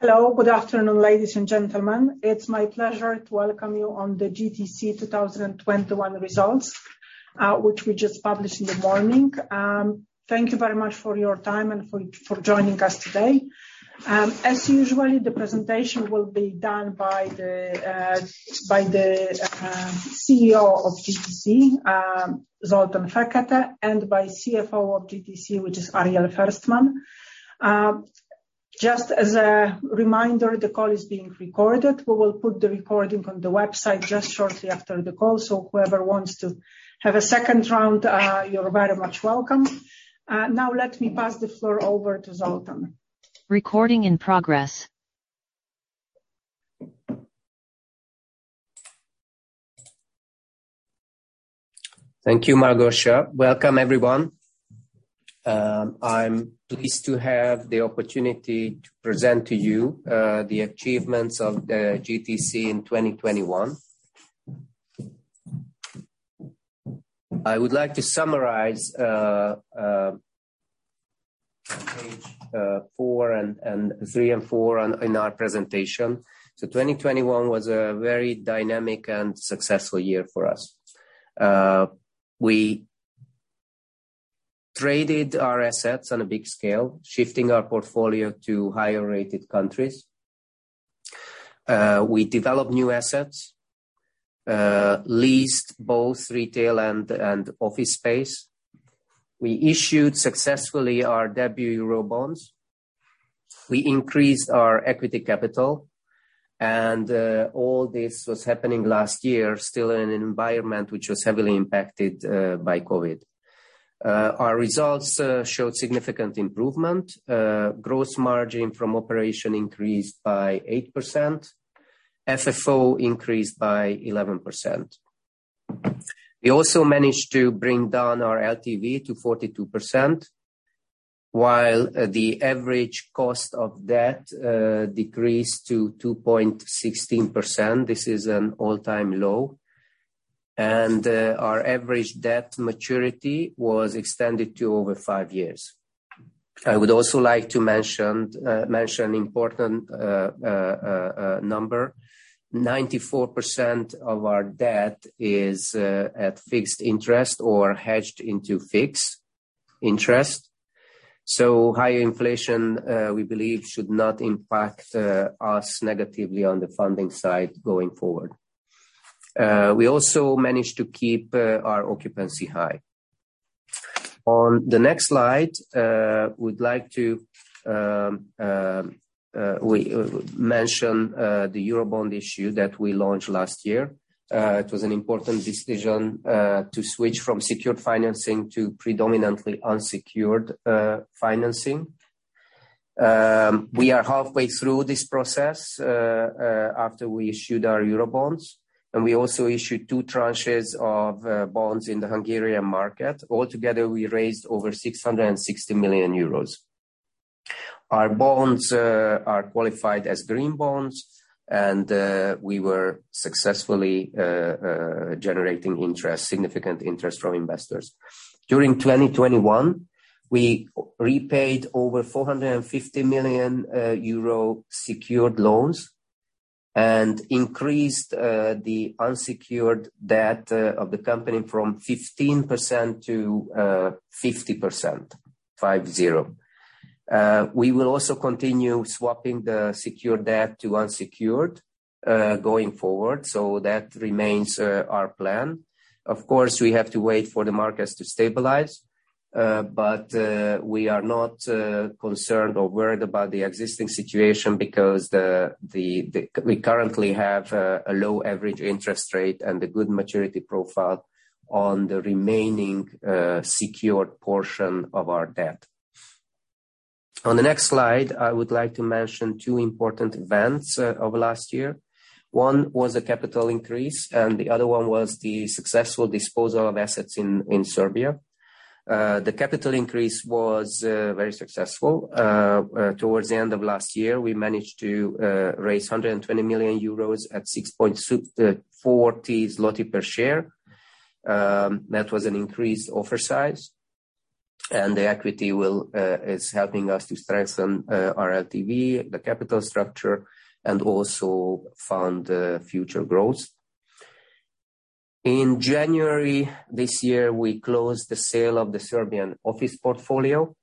Hello. Good afternoon, ladies and gentlemen. It's my pleasure to welcome you on the GTC 2021 results, which we just published in the morning. Thank you very much for your time and for joining us today. As usual, the presentation will be done by the CEO of GTC, Zoltán Fekete, and by CFO of GTC, which is Ariel Ferstman. Just as a reminder, the call is being recorded. We will put the recording on the website just shortly after the call, so whoever wants to have a second round, you're very much welcome. Now let me pass the floor over to Zoltán. Recording in progress. Thank you, Malgorza. Welcome, everyone. I'm pleased to have the opportunity to present to you the achievements of the GTC in 2021. I would like to summarize pages three and four in our presentation. 2021 was a very dynamic and successful year for us. We traded our assets on a big scale, shifting our portfolio to higher-rated countries. We developed new assets, leased both retail and office space. We issued successfully our debut Eurobonds. We increased our equity capital, and all this was happening last year, still in an environment which was heavily impacted by COVID. Our results showed significant improvement. Gross margin from operation increased by 8%. FFO increased by 11%. We also managed to bring down our LTV to 42%, while the average cost of debt decreased to 2.16%. This is an all-time low. Our average debt maturity was extended to over five years. I would also like to mention important number. 94% of our debt is at fixed interest or hedged into fixed interest. Higher inflation, we believe should not impact us negatively on the funding side going forward. We also managed to keep our occupancy high. On the next slide, we'd like to mention the Eurobond issue that we launched last year. It was an important decision to switch from secured financing to predominantly unsecured financing. We are halfway through this process, after we issued our Eurobonds, and we also issued two tranches of bonds in the Hungarian market. Altogether, we raised over 660 million euros. Our bonds are qualified as green bonds, and we were successfully generating interest, significant interest from investors. During 2021, we repaid over 450 million euro secured loans and increased the unsecured debt of the company from 15%-50%, 50. We will also continue swapping the secured debt to unsecured going forward, so that remains our plan. Of course, we have to wait for the markets to stabilize, but we are not concerned or worried about the existing situation because we currently have a low average interest rate and a good maturity profile on the remaining secured portion of our debt. On the next slide, I would like to mention two important events of last year. One was a capital increase, and the other one was the successful disposal of assets in Serbia. The capital increase was very successful. Towards the end of last year, we managed to raise 120 million euros at 6.40 zloty per share. That was an increased offer size, and the equity is helping us to strengthen our LTV, the capital structure, and also fund future growth. In January this year, we closed the sale of the Serbian office portfolio,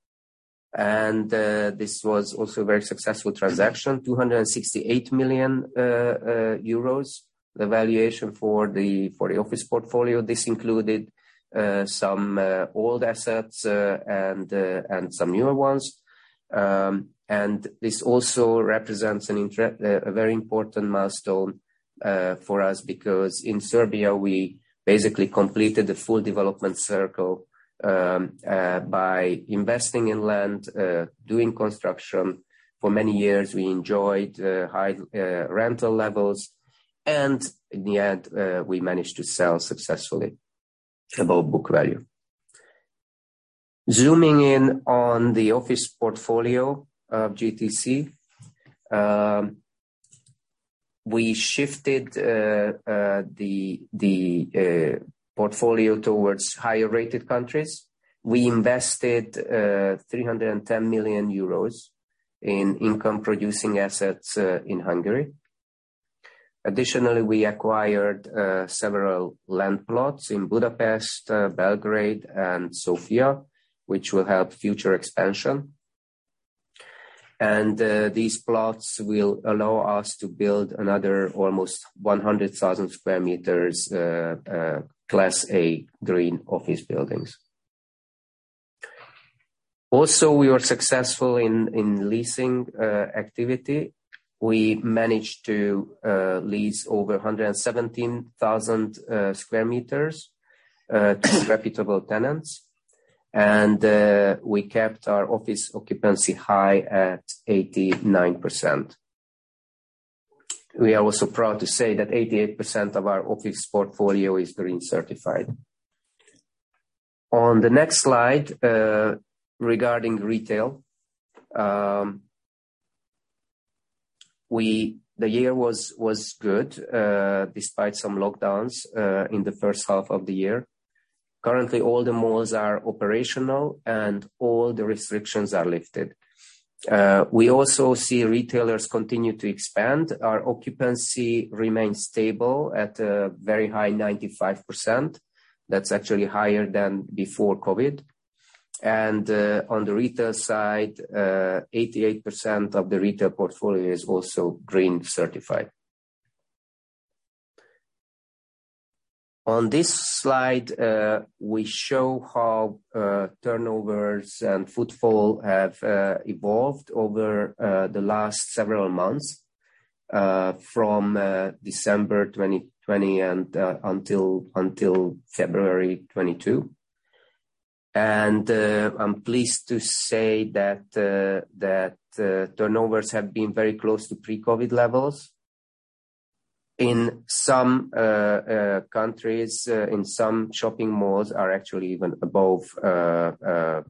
and this was also a very successful transaction, 268 million euros, the valuation for the office portfolio. This included some old assets and some newer ones. This also represents a very important milestone for us because in Serbia, we basically completed the full development circle by investing in land, doing construction. For many years, we enjoyed high rental levels, and in the end, we managed to sell successfully above book value. Zooming in on the office portfolio of GTC, we shifted the portfolio towards higher rated countries. We invested 310 million euros in income producing assets in Hungary. Additionally, we acquired several land plots in Budapest, Belgrade, and Sofia, which will help future expansion. These plots will allow us to build another almost 100,000 sq m class A green office buildings. Also, we are successful in leasing activity. We managed to lease over 117,000 sq m to reputable tenants. We kept our office occupancy high at 89%. We are also proud to say that 88% of our office portfolio is green certified. On the next slide, regarding retail. The year was good despite some lockdowns in the first half of the year. Currently, all the malls are operational, and all the restrictions are lifted. We also see retailers continue to expand. Our occupancy remains stable at very high 95%. That's actually higher than before COVID. On the retail side, 88% of the retail portfolio is also green certified. On this slide, we show how turnovers and footfall have evolved over the last several months, from December 2020 and until February 2022. I'm pleased to say that turnovers have been very close to pre-COVID levels. In some countries, in some shopping malls are actually even above the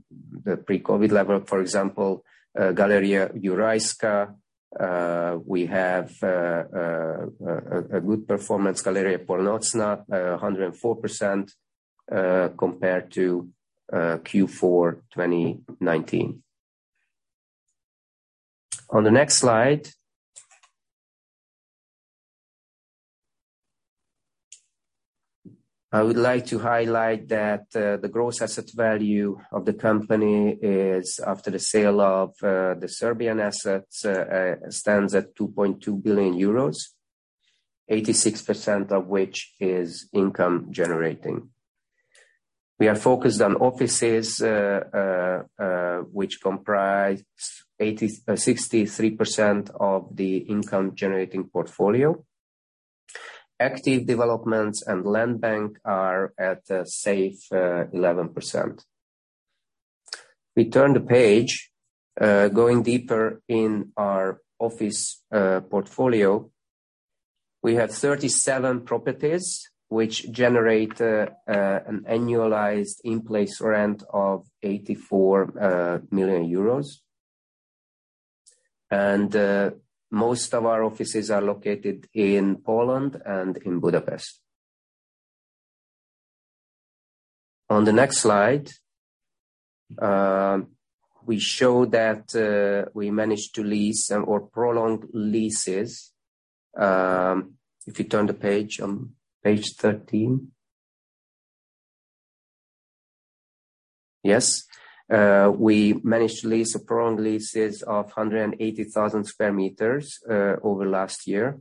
pre-COVID level. For example, Galeria Jurajska, we have a good performance. Galeria Północna, 104% compared to Q4 2019. On the next slide. I would like to highlight that the gross asset value of the company is, after the sale of the Serbian assets, stands at 2.2 billion euros, 86% of which is income generating. We are focused on offices which comprise 63% of the income generating portfolio. Active developments and land bank are at a safe 11%. We turn the page going deeper in our office portfolio. We have 37 properties which generate an annualized in-place rent of 84 million euros. Most of our offices are located in Poland and in Budapest. On the next slide we show that we managed to lease some or prolong leases. If you turn the page on page 13. Yes. We managed to lease or prolong leases of 180,000 sq m over last year.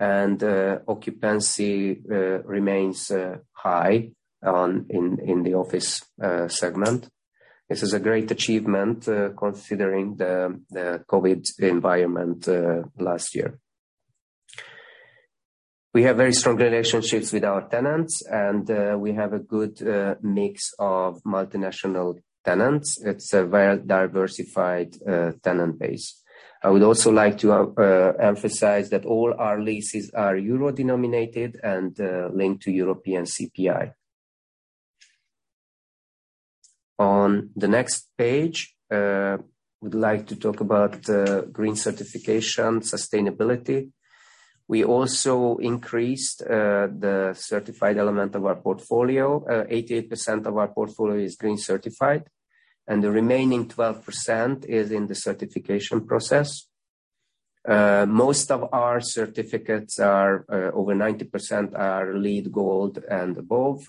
Occupancy remains high in the office segment. This is a great achievement considering the COVID environment last year. We have very strong relationships with our tenants, and we have a good mix of multinational tenants. It's a very diversified tenant base. I would also like to emphasize that all our leases are euro-denominated and linked to European CPI. On the next page, I would like to talk about green certification, sustainability. We also increased the certified element of our portfolio. 88% of our portfolio is green certified, and the remaining 12% is in the certification process. Most of our certificates are over 90% are LEED Gold and above,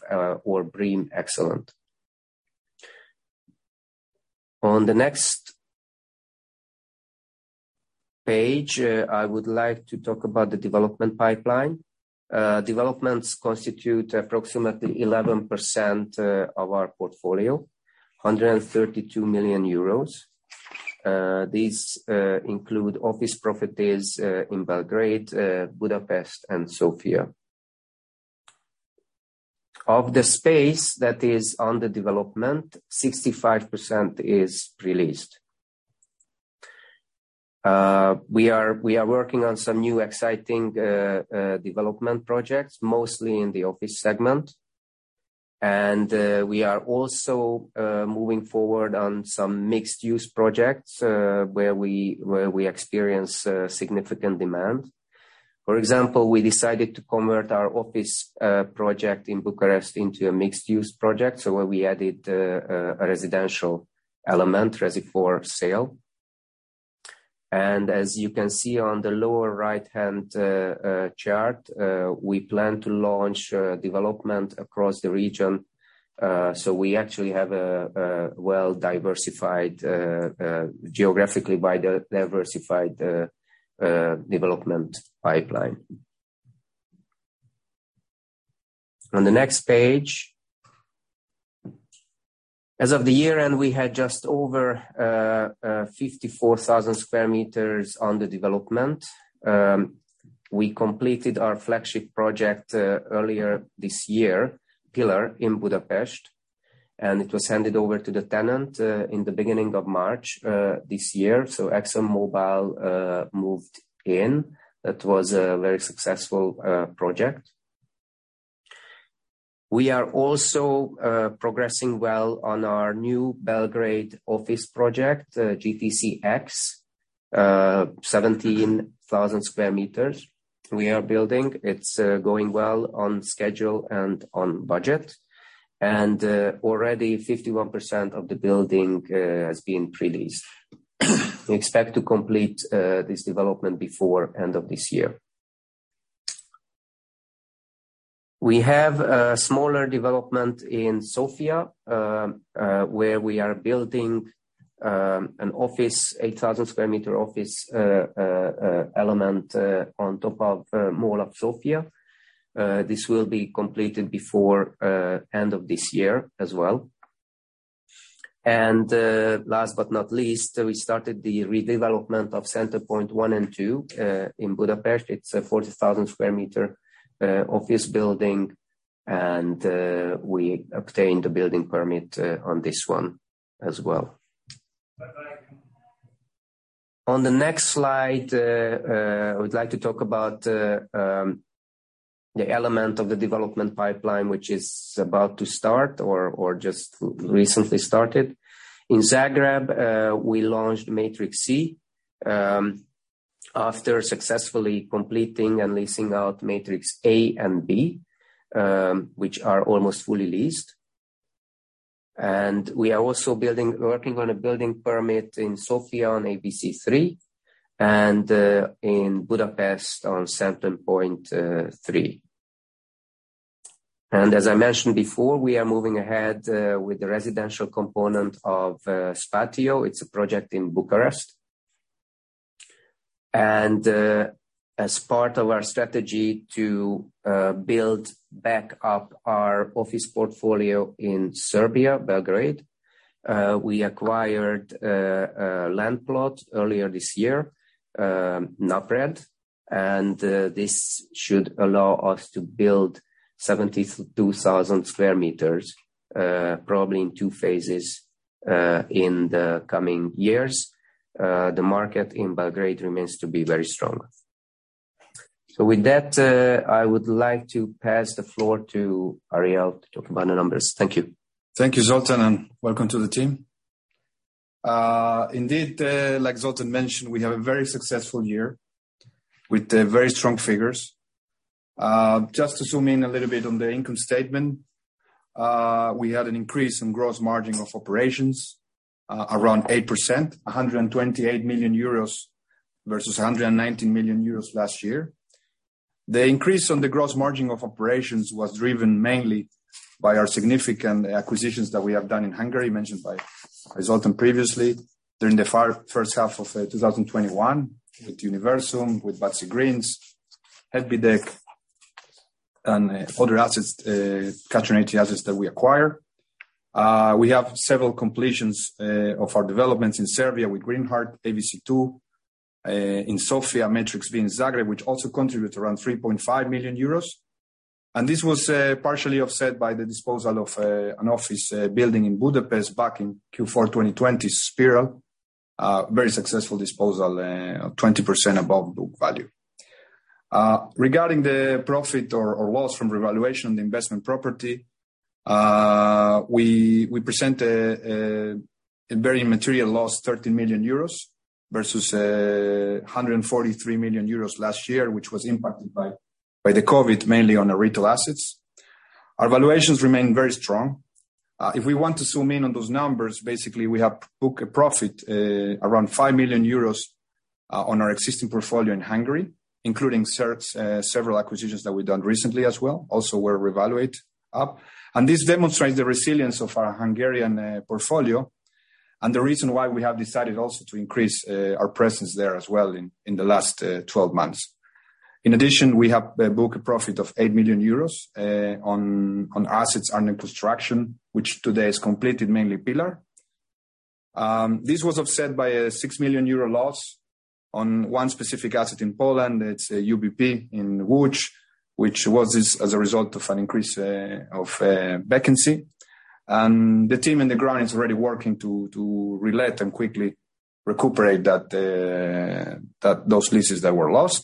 or BREEAM Excellent. On the next page, I would like to talk about the development pipeline. Developments constitute approximately 11% of our portfolio, 132 million euros. These include office properties in Belgrade, Budapest and Sofia. Of the space that is under development, 65% is pre-leased. We are working on some new exciting development projects, mostly in the office segment. We are also moving forward on some mixed-use projects where we experience significant demand. For example, we decided to convert our office project in Bucharest into a mixed-use project, so where we added a residential element resi for sale. As you can see on the lower right-hand chart, we plan to launch development across the region. We actually have a well-diversified geographically wide diversified development pipeline. On the next page. As of the year-end, we had just over 54,000 sq m under development. We completed our flagship project earlier this year, Pillar in Budapest, and it was handed over to the tenant in the beginning of March this year, so ExxonMobil moved in. That was a very successful project. We are also progressing well on our new Belgrade office project, GTC X. 17,000 sq m we are building. It's going well on schedule and on budget. Already 51% of the building has been pre-leased. We expect to complete this development before end of this year. We have a smaller development in Sofia where we are building an office, 8,000 sq m office element on top of Mall of Sofia. This will be completed before end of this year as well. Last but not least, we started the redevelopment of Center Point 1 and 2 in Budapest. It's a 40,000 sq m office building, and we obtained the building permit on this one as well. On the next slide, I would like to talk about the element of the development pipeline, which is about to start or just recently started. In Zagreb, we launched Matrix C, after successfully completing and leasing out Matrix A and B, which are almost fully leased. We are also working on a building permit in Sofia on Advance Business Center 3 and in Budapest on Center Point 3. As I mentioned before, we are moving ahead with the residential component of Spatio. It's a project in Bucharest. As part of our strategy to build back up our office portfolio in Serbia, Belgrade, we acquired a land plot earlier this year, Novi Grad, and this should allow us to build 72,000 sq m, probably in two phases, in the coming years. The market in Belgrade remains very strong. With that, I would like to pass the floor to Ariel to talk about the numbers. Thank you. Thank you, Zoltán, and welcome to the team. Indeed, like Zoltán mentioned, we have a very successful year with very strong figures. Just to zoom in a little bit on the income statement. We had an increase in gross margin of operations around 8%, 128 million euros versus 119 million euros last year. The increase on the gross margin of operations was driven mainly by our significant acquisitions that we have done in Hungary, mentioned by Zoltán previously during the first half of 2021 with Universum, with Váci Greens, Epideck and other assets, category assets that we acquired. We have several completions of our developments in Serbia with Green Heart, ABC two in Sofia, Matrix B in Zagreb, which also contribute around 3.5 million euros. This was partially offset by the disposal of an office building in Budapest back in Q4 2020, Spiral. Very successful disposal, 20% above book value. Regarding the profit or loss from revaluation of the investment property, we present a very material loss, 13 million euros, versus 143 million euros last year, which was impacted by the COVID, mainly on the retail assets. Our valuations remain very strong. If we want to zoom in on those numbers, basically we have booked a profit, around 5 million euros, on our existing portfolio in Hungary, including several acquisitions that we've done recently as well, which were also revalued up. This demonstrates the resilience of our Hungarian portfolio and the reason why we have decided also to increase our presence there as well in the last 12 months. In addition, we have booked a profit of 8 million euros on assets under construction, which today is completed mainly Pillar. This was offset by a 6 million euro loss on one specific asset in Poland. It's UBP in Łódź, which was as a result of an increase of vacancy. The team on the ground is already working to relet and quickly recuperate those leases that were lost.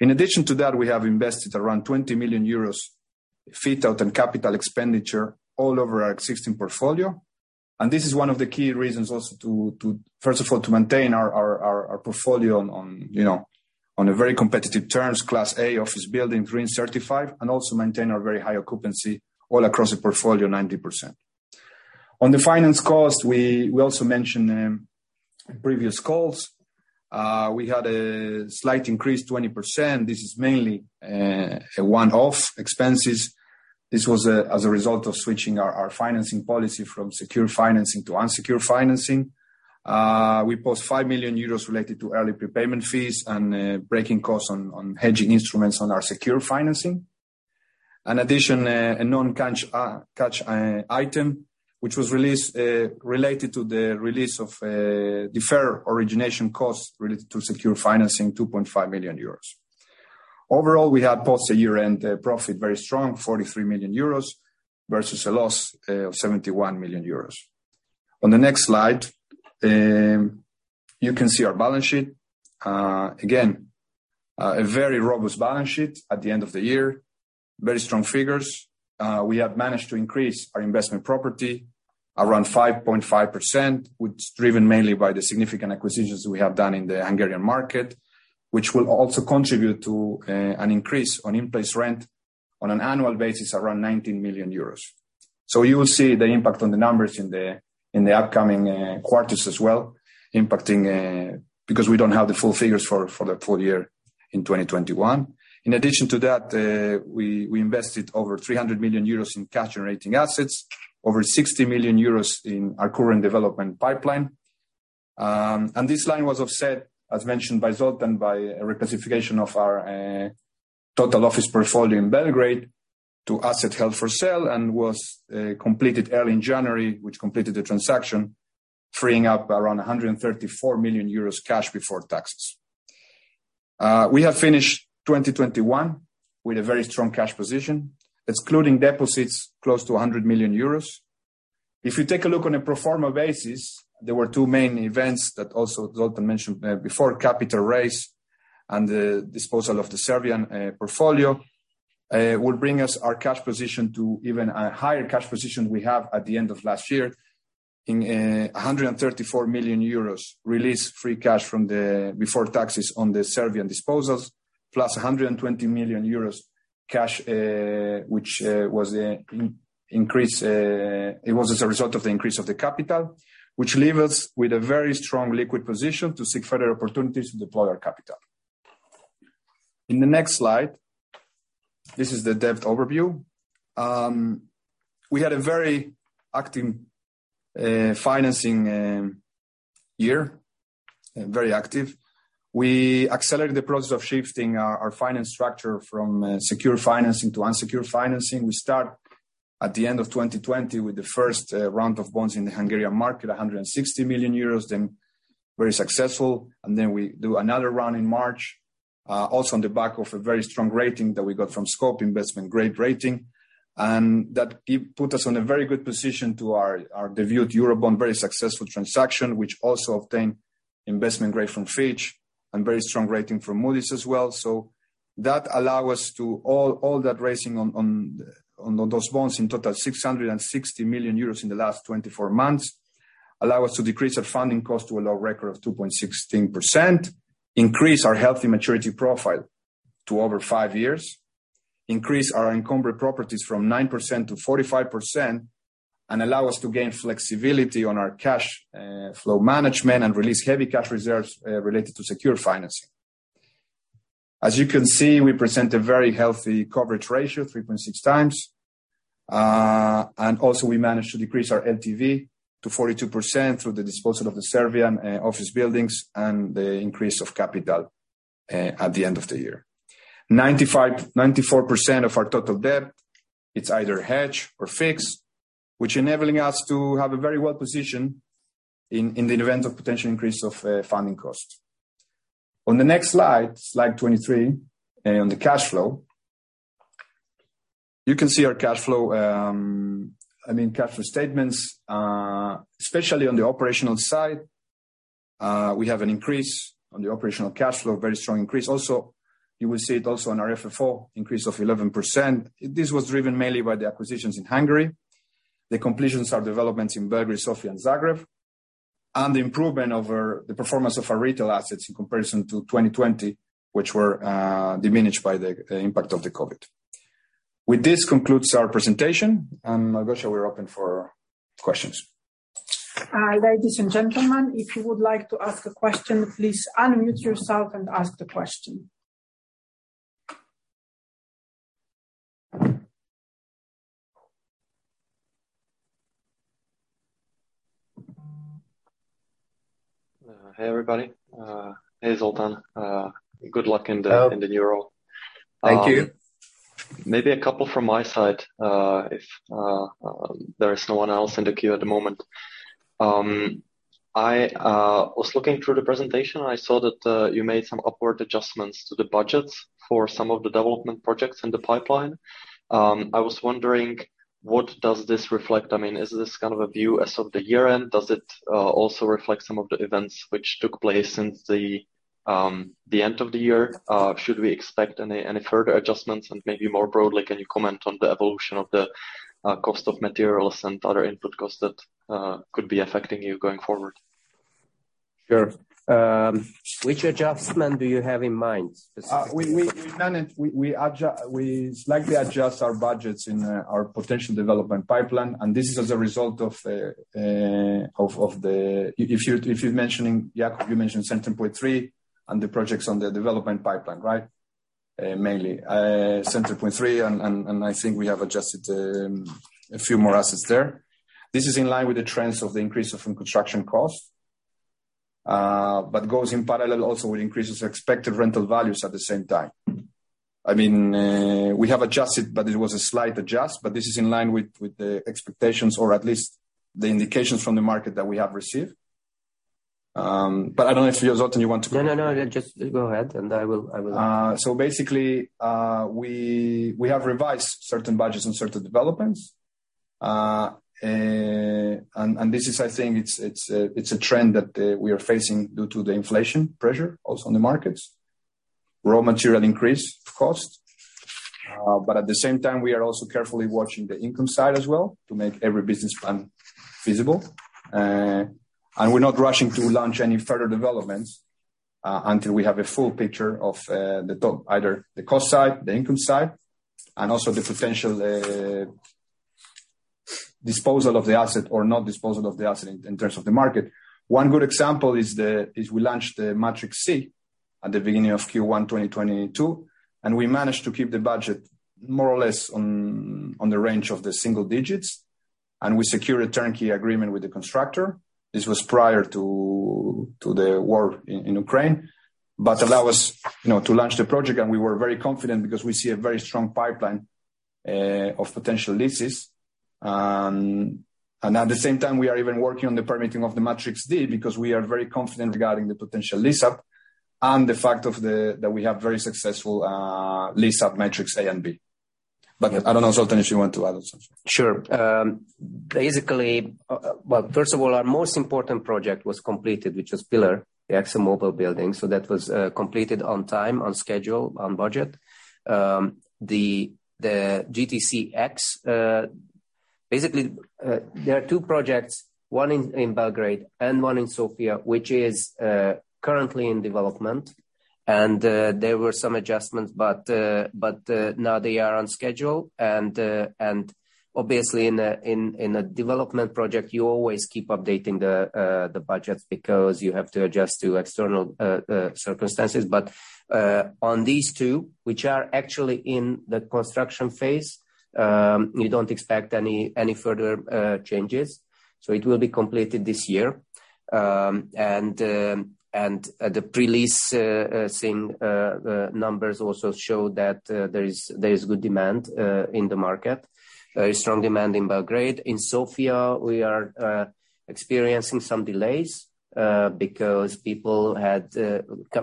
In addition to that, we have invested around 20 million euros fit out and capital expenditure all over our existing portfolio. This is one of the key reasons also to first of all, to maintain our portfolio on, you know, on very competitive terms, class A office building, green certified, and also maintain our very high occupancy all across the portfolio, 90%. On the finance cost, we also mentioned in previous calls, we had a slight increase, 20%. This is mainly a one-off expense. This was as a result of switching our financing policy from secured financing to unsecured financing. We posted 5 million euros related to early prepayment fees and breakage costs on hedging instruments on our secured financing. In addition, a non-cash item, which was released, related to the release of deferred origination costs related to secured financing, 2.5 million euros. Overall, we have posted a year-end profit, very strong, 43 million euros versus a loss of 71 million euros. On the next slide, you can see our balance sheet. Again, a very robust balance sheet at the end of the year. Very strong figures. We have managed to increase our investment property around 5.5%, which is driven mainly by the significant acquisitions we have done in the Hungarian market. Which will also contribute to an increase in in-place rent on an annual basis around 19 million euros. You will see the impact on the numbers in the upcoming quarters as well, impacting because we don't have the full figures for the full year in 2021. In addition to that, we invested over 300 million euros in cash-generating assets, over 60 million euros in our current development pipeline. This line was offset, as mentioned by Zoltán, by a reclassification of our total office portfolio in Belgrade to asset held for sale, and was completed early in January, which completed the transaction, freeing up around 134 million euros cash before taxes. We have finished 2021 with a very strong cash position, excluding deposits close to 100 million euros. If you take a look on a pro forma basis, there were two main events that also Zoltán mentioned before, capital raise and the disposal of the Serbian portfolio will bring us our cash position to even a higher cash position we have at the end of last year in 134 million euros released free cash before taxes on the Serbian disposals. Plus 120 million euros cash, which was increased. It was as a result of the increase of the capital, which leave us with a very strong liquid position to seek further opportunities to deploy our capital. In the next slide, this is the debt overview. We had a very active financing year, very active. We accelerated the process of shifting our financing structure from secure financing to unsecured financing. We start at the end of 2020 with the first round of bonds in the Hungarian market, 160 million euros, then very successful. Then we do another round in March, also on the back of a very strong rating that we got from Scope, investment grade rating. That put us on a very good position to our debut Eurobond, very successful transaction, which also obtained investment grade from Fitch and very strong rating from Moody's as well. That allow us to all that raising on those bonds in total 660 million euros in the last 24 months, allow us to decrease our funding cost to a low record of 2.16%, increase our healthy maturity profile to over five years, increase our encumbered properties from 9% to 45%, and allow us to gain flexibility on our cash flow management and release heavy cash reserves related to secure financing. As you can see, we present a very healthy coverage ratio, 3.6x. We managed to decrease our LTV to 42% through the disposal of the Serbian office buildings and the increase of capital at the end of the year. 94% of our total debt, it's either hedged or fixed, which enables us to have a very well-positioned in the event of potential increase of funding costs. On the next slide 23, on the cash flow. You can see our cash flow, I mean, cash flow statements. Especially on the operational side, we have an increase on the operational cash flow, a very strong increase. Also, you will see it also on our FFO increase of 11%. This was driven mainly by the acquisitions in Hungary, the completions of developments in Belgrade, Sofia, and Zagreb, and the improvement over the performance of our retail assets in comparison to 2020, which were diminished by the impact of the COVID. This concludes our presentation. Malgorza, we're open for questions. Ladies and gentlemen, if you would like to ask a question, please unmute yourself and ask the question. Hey, everybody. Hey, Zoltán. Good luck in the Hello. In the new role. Thank you. Maybe a couple from my side, if there is no one else in the queue at the moment. I was looking through the presentation, and I saw that you made some upward adjustments to the budgets for some of the development projects in the pipeline. I was wondering, what does this reflect? I mean, is this kind of a view as of the year end? Does it also reflect some of the events which took place since the end of the year? Should we expect any further adjustments? Maybe more broadly, can you comment on the evolution of the cost of materials and other input costs that could be affecting you going forward? Sure. Which adjustment do you have in mind specifically? We slightly adjust our budgets in our potential development pipeline, and this is as a result of the. If you're mentioning, yeah, you mentioned Center Point 3 and the projects on the development pipeline, right? Mainly Center Point 3 and I think we have adjusted a few more assets there. This is in line with the trends of the increase of construction costs, but goes in parallel also with increases expected rental values at the same time. I mean, we have adjusted, but it was a slight adjust, but this is in line with the expectations or at least the indications from the market that we have received. I don't know if you, Zoltán, want to comment. No, no. Just go ahead, and I will. Basically, we have revised certain budgets and certain developments. This is, I think, a trend that we are facing due to the inflation pressure also on the markets, raw material cost increases. At the same time, we are also carefully watching the income side as well to make every business plan feasible. We're not rushing to launch any further developments until we have a full picture of either the cost side, the income side, and also the potential disposal of the asset or not disposal of the asset in terms of the market. One good example is we launched the Matrix C at the beginning of Q1 2022, and we managed to keep the budget more or less on the range of the single digits, and we secured a turnkey agreement with the constructor. This was prior to the war in Ukraine. Allow us, you know, to launch the project, and we were very confident because we see a very strong pipeline of potential leases. At the same time, we are even working on the permitting of the Matrix D because we are very confident regarding the potential lease-up and the fact that we have very successful lease-up Matrix A and B. I don't know, Zoltán, if you want to add something. Sure. Basically, well, first of all, our most important project was completed, which was Pillar, the ExxonMobil building. That was completed on time, on schedule, on budget. The GTCX, basically, there are two projects, one in Belgrade and one in Sofia, which is currently in development. There were some adjustments, but now they are on schedule. Obviously in a development project, you always keep updating the budgets because you have to adjust to external circumstances. On these two, which are actually in the construction phase, we don't expect any further changes. It will be completed this year. The pre-lease thing numbers also show that there is good demand in the market. Strong demand in Belgrade. In Sofia, we are experiencing some delays because people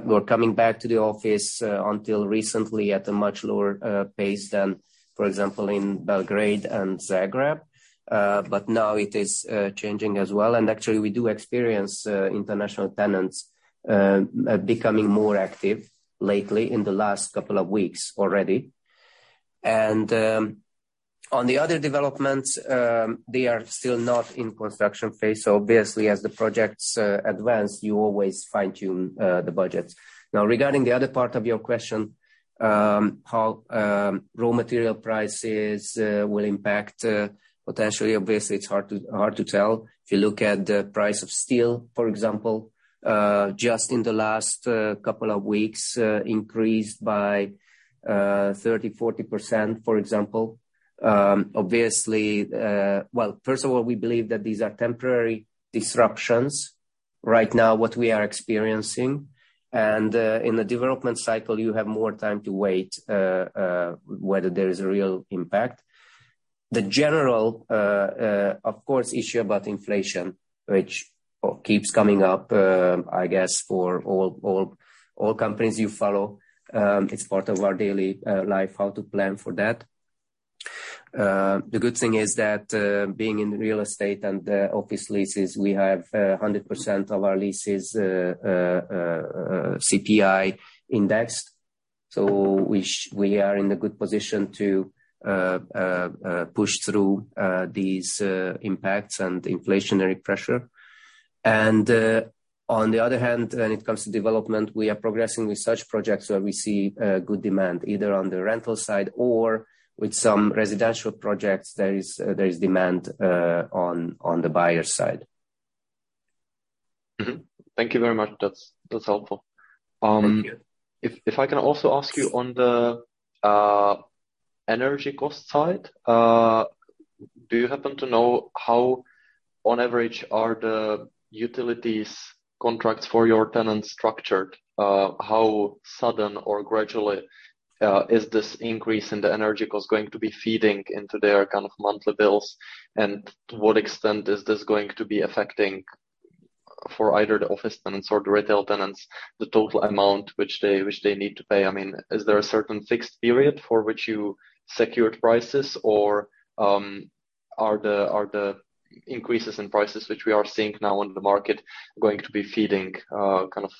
were coming back to the office until recently at a much lower pace than, for example, in Belgrade and Zagreb. Now it is changing as well. Actually, we do experience international tenants becoming more active lately in the last couple of weeks already. On the other developments, they are still not in construction phase. Obviously as the projects advance, you always fine-tune the budgets. Now, regarding the other part of your question, how raw material prices will impact potentially, obviously it's hard to tell. If you look at the price of steel, for example, just in the last couple of weeks, increased by 30%-40%, for example. Obviously, well, first of all, we believe that these are temporary disruptions right now, what we are experiencing. In the development cycle, you have more time to wait whether there is a real impact. The general, of course, issue about inflation, which keeps coming up, I guess for all companies you follow, it's part of our daily life, how to plan for that. The good thing is that, being in real estate and office leases, we have 100% of our leases CPI indexed. We are in a good position to push through these impacts and inflationary pressure. On the other hand, when it comes to development, we are progressing with such projects where we see good demand, either on the rental side or with some residential projects, there is demand on the buyer side. Mm-hmm. Thank you very much. That's helpful. Thank you. If I can also ask you on the energy cost side, do you happen to know how on average are the utilities contracts for your tenants structured? How sudden or gradually is this increase in the energy cost going to be feeding into their kind of monthly bills? To what extent is this going to be affecting for either the office tenants or the retail tenants, the total amount which they need to pay. I mean, is there a certain fixed period for which you secured prices or are the increases in prices which we are seeing now on the market going to be feeding kind of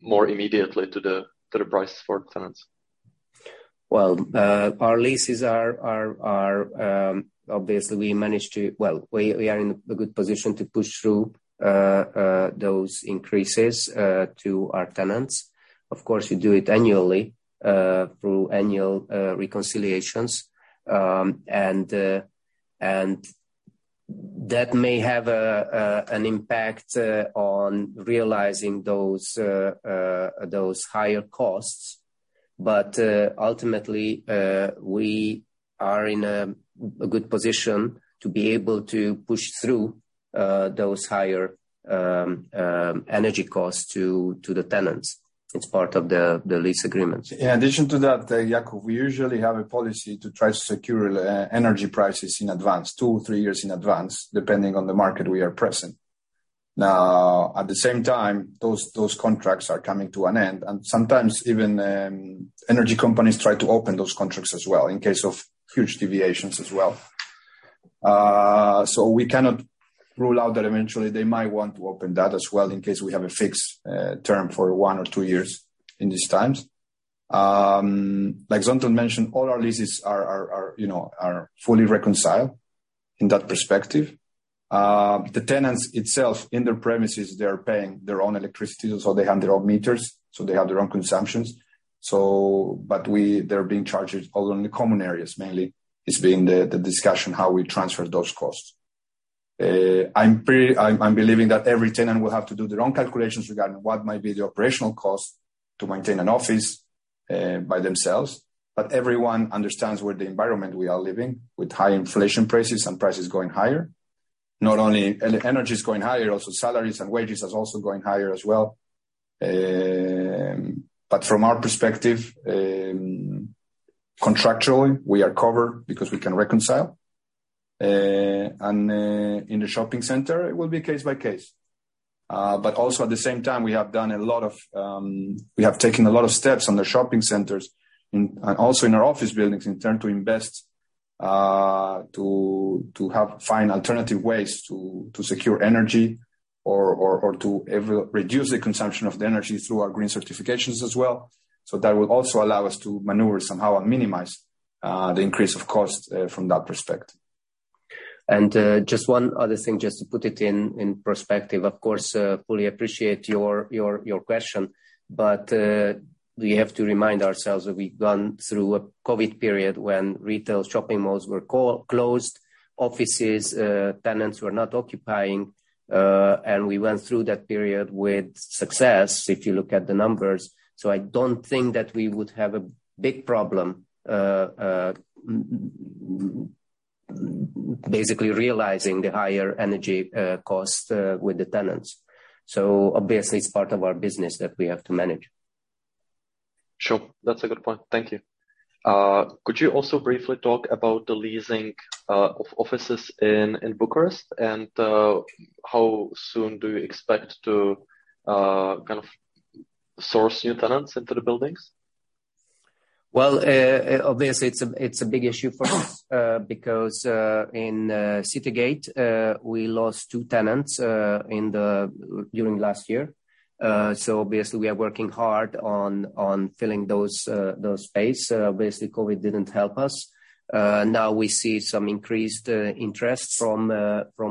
more immediately to the price for tenants? Well, our leases are obviously we managed to. Well, we are in a good position to push through those increases to our tenants. Of course, we do it annually through annual reconciliations. That may have an impact on realizing those higher costs. Ultimately, we are in a good position to be able to push through those higher energy costs to the tenants. It's part of the lease agreements. In addition to that, Jakub, we usually have a policy to try to secure energy prices in advance, two or three years in advance, depending on the market we are present. Now, at the same time, those contracts are coming to an end, and sometimes even energy companies try to open those contracts as well in case of huge deviations as well. We cannot rule out that eventually they might want to open that as well in case we have a fixed term for one or two years in these times. Like Zoltán mentioned, all our leases are, you know, fully reconciled in that perspective. The tenants themselves, in their premises, they are paying their own electricity, so they have their own meters, so they have their own consumptions. They're being charged only on the common areas mainly. It's been the discussion how we transfer those costs. I'm believing that every tenant will have to do their own calculations regarding what might be the operational cost to maintain an office by themselves. Everyone understands the environment we are living with high inflation prices and prices going higher. Not only energy is going higher, also salaries and wages is also going higher as well. From our perspective, contractually we are covered because we can reconcile. In the shopping center, it will be case by case. At the same time, we have taken a lot of steps on the shopping centers and also in our office buildings in turn to invest to help find alternative ways to secure energy or to reduce the consumption of the energy through our green certifications as well. That will also allow us to maneuver somehow and minimize the increase of cost from that perspective. Just one other thing, just to put it in perspective, of course, I fully appreciate your question, but we have to remind ourselves that we've gone through a COVID period when retail shopping malls were closed, offices, tenants were not occupying, and we went through that period with success, if you look at the numbers. I don't think that we would have a big problem basically realizing the higher energy cost with the tenants. Obviously it's part of our business that we have to manage. Sure. That's a good point. Thank you. Could you also briefly talk about the leasing of offices in Bucharest? How soon do you expect to kind of source new tenants into the buildings? Well, obviously it's a big issue for us, because in City Gate we lost two tenants during last year. Obviously we are working hard on filling those space. Basically COVID didn't help us. Now we see some increased interest from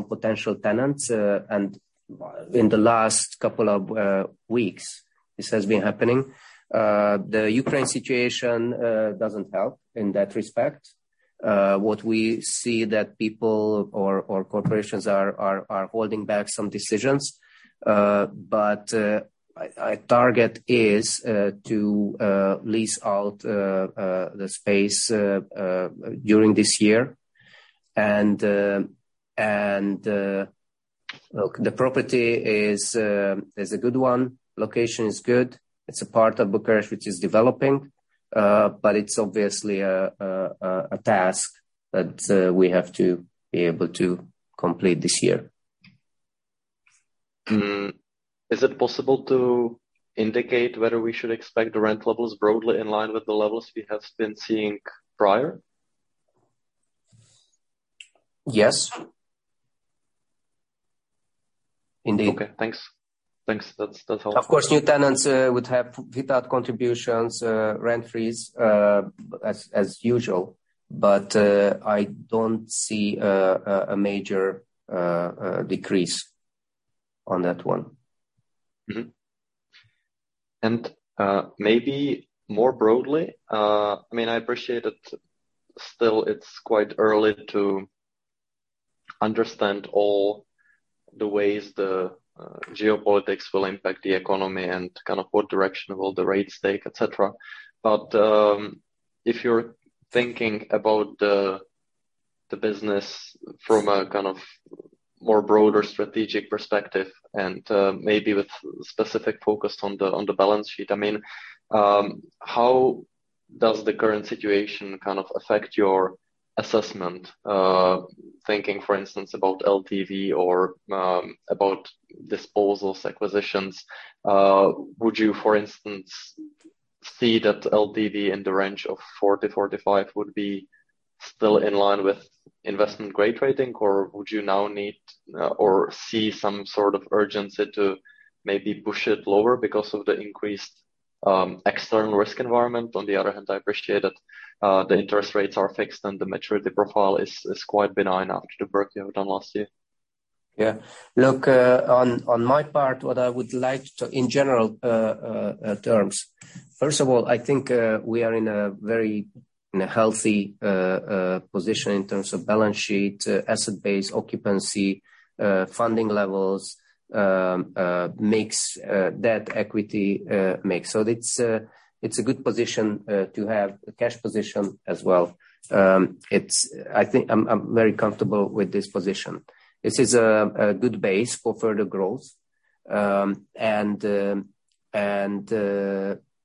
potential tenants. In the last couple of weeks, this has been happening. The Ukraine situation doesn't help in that respect. What we see is that people or corporations are holding back some decisions. Our target is to lease out the space during this year. Look, the property is a good one. Location is good. It's a part of Bucharest which is developing. It's obviously a task that we have to be able to complete this year. Is it possible to indicate whether we should expect the rent levels broadly in line with the levels we have been seeing prior? Yes. Indeed. Okay, thanks. That's all. Of course, new tenants would have fit-out contributions, rent freeze, as usual, but I don't see a major decrease on that one. Maybe more broadly, I mean, I appreciate that still it's quite early to understand all the ways the geopolitics will impact the economy and kind of what direction will the rates take, et cetera. If you're thinking about the business from a kind of more broader strategic perspective and maybe with specific focus on the balance sheet, I mean, does the current situation kind of affect your assessment? Thinking for instance about LTV or about disposals, acquisitions. Would you for instance see that LTV in the range of 40-45 would be still in line with investment grade rating? Or would you now need or see some sort of urgency to maybe push it lower because of the increased external risk environment? On the other hand, I appreciate that the interest rates are fixed and the maturity profile is quite benign after the work you have done last year. Yeah. Look, on my part, in general terms. First of all, I think we are in a very healthy position in terms of balance sheet, asset base, occupancy, funding levels, debt-equity mix. It's a good position to have, a cash position as well. I think I'm very comfortable with this position. This is a good base for further growth.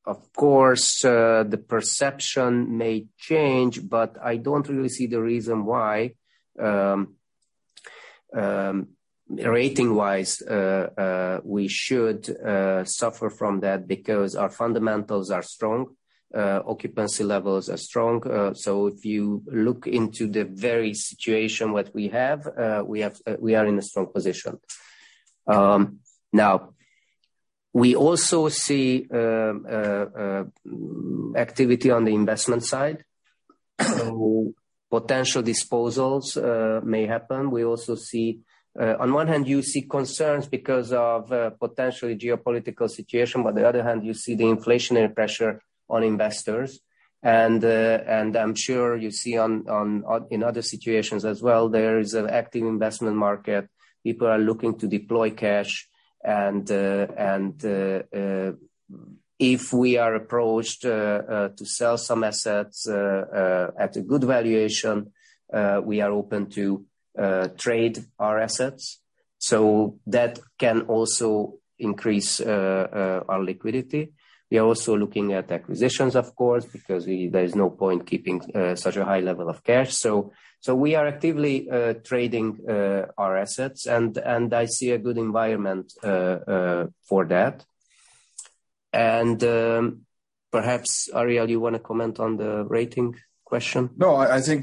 Of course, the perception may change, but I don't really see the reason why, rating-wise, we should suffer from that, because our fundamentals are strong, occupancy levels are strong. If you look into the very situation what we have, we are in a strong position. Now we also see activity on the investment side. Potential disposals may happen. We also see on one hand concerns because of potentially geopolitical situation. On the other hand, you see the inflationary pressure on investors. I'm sure you see in other situations as well, there is an active investment market. People are looking to deploy cash and if we are approached to sell some assets at a good valuation, we are open to trade our assets. That can also increase our liquidity. We are also looking at acquisitions, of course, because there is no point keeping such a high level of cash. We are actively trading our assets and I see a good environment for that. Perhaps, Ariel, you wanna comment on the rating question? No. I think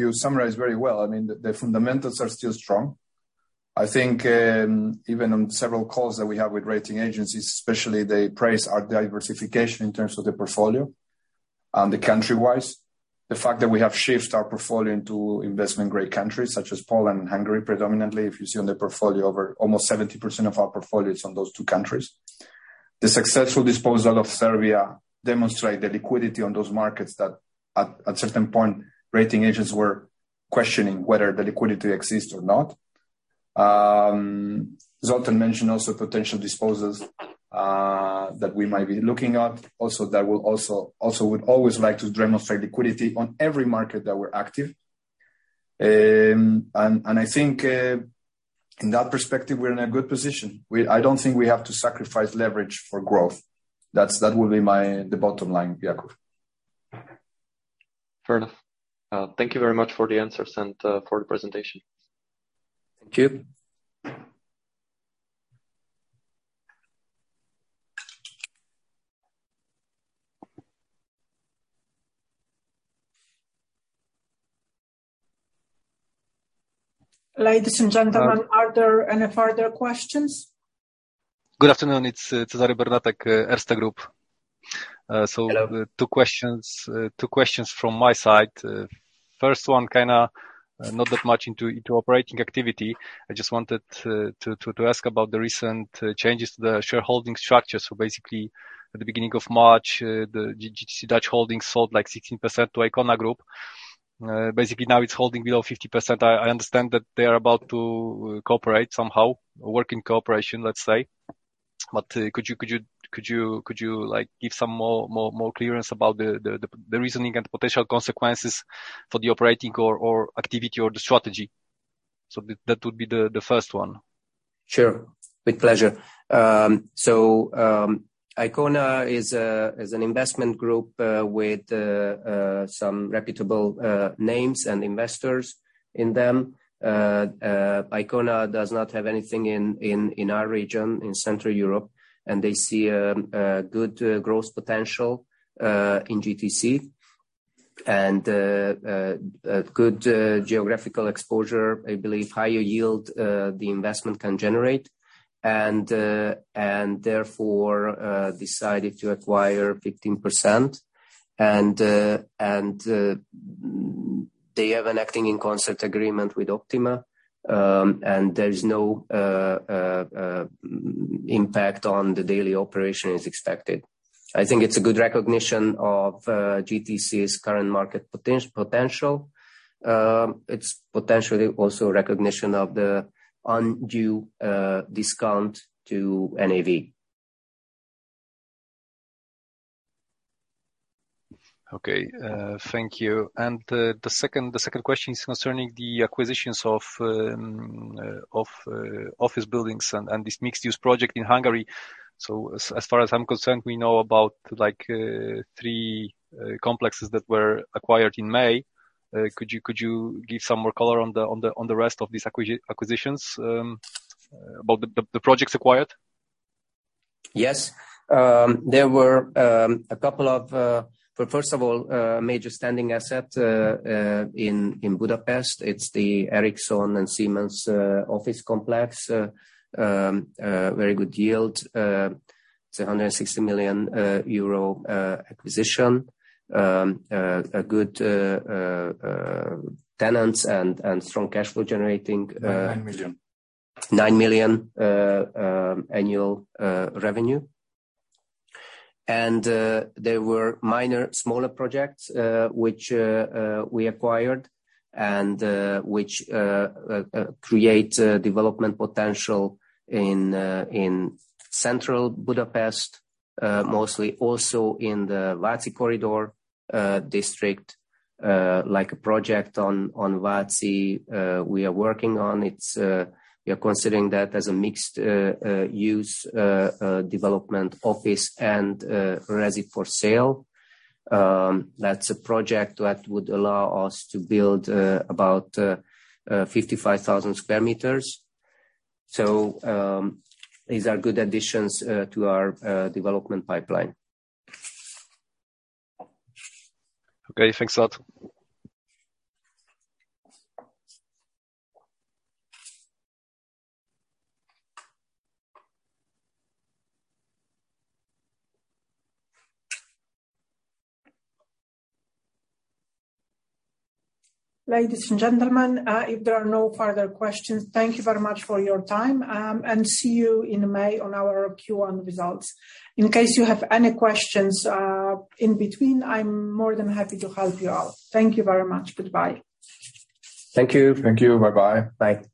you summarized very well. I mean, the fundamentals are still strong. I think even on several calls that we have with rating agencies especially, they praise our diversification in terms of the portfolio, the country-wise. The fact that we have shifted our portfolio into investment-grade countries such as Poland and Hungary predominantly. If you see on the portfolio, over almost 70% of our portfolio is on those two countries. The successful disposal of Serbia demonstrates the liquidity on those markets that at certain point, rating agencies were questioning whether the liquidity exists or not. Zoltán mentioned also potential disposals that we might be looking at. Also would always like to demonstrate liquidity on every market that we're active. I think in that perspective, we're in a good position. I don't think we have to sacrifice leverage for growth. That would be my bottom line, Jakub. Fair enough. Thank you very much for the answers and for the presentation. Thank you. Ladies and gentlemen, are there any further questions? Good afternoon. It's Cezary Bernatek, Erste Group. Hello. Two questions from my side. First one kinda not that much into operating activity. I just wanted to ask about the recent changes to the shareholding structure. Basically at the beginning of March, the GTC Dutch Holdings sold, like, 16% to Icona Group. Basically now it's holding below 50%. I understand that they are about to cooperate somehow, work in cooperation, let's say. Could you like give some more clarity about the reasoning and the potential consequences for the operating activity or the strategy. That would be the first one. Sure. With pleasure. Icona is an investment group with some reputable names and investors in them. Icona does not have anything in our region, in Central Europe, and they see a good growth potential in GTC. A good geographical exposure, I believe higher yield the investment can generate, and therefore decided to acquire 15%. They have an acting in concert agreement with Optimum, and there is no impact on the daily operation is expected. I think it's a good recognition of GTC's current market potential. It's potentially also recognition of the undue discount to NAV. Okay, thank you. The second question is concerning the acquisitions of office buildings and this mixed-use project in Hungary. As far as I'm concerned, we know about like three complexes that were acquired in May. Could you give some more color on the rest of these acquisitions about the projects acquired? Yes. First of all, major standing asset in Budapest, it's the Ericsson and Siemens office complex. Very good yield. It's a 160 million euro acquisition. Good tenants and strong cash flow generating. 9 million. 9 million annual revenue. There were minor smaller projects which we acquired and which create development potential in central Budapest, mostly also in the Váci Corridor district. Like a project on Váci we are working on. It's we are considering that as a mixed use development office and resi for sale. That's a project that would allow us to build about 55,000 sq m. These are good additions to our development pipeline. Okay. Thanks a lot. Ladies and gentlemen, if there are no further questions, thank you very much for your time, and see you in May on our Q1 results. In case you have any questions, in between, I'm more than happy to help you out. Thank you very much. Goodbye. Thank you. Thank you. Bye-bye. Bye.